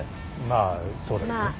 まあそうね。